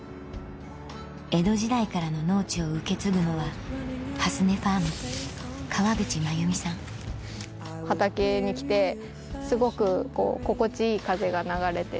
江戸時代からの農地を受け継ぐのは畑に来てすごく心地いい風が流れてて。